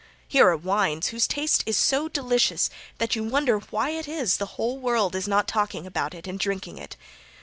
Here are wines whose taste is so delicious that you wonder why it is the whole world is not talking about it and drinking it.